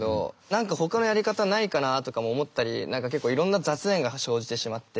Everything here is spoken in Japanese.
何かほかのやり方ないかなあとかも思ったり結構いろんな雑念が生じてしまって。